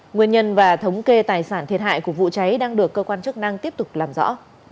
nguyên nhân và thống kê tài sản thiệt hại của vụ cháy đang được cơ quan chức năng tiếp tục làm rõ